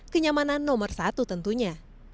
kenyamanan nomor satu tentunya